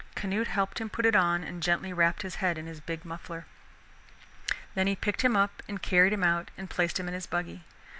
Canute helped him put it on and gently wrapped his head in his big muffler. Then he picked him up and carried him out and placed him in his buggy.